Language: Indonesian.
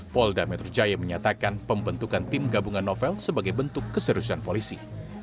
polda metro jaya menyatakan pembentukan tim gabungan novel sebagai bentuk keseriusan polisi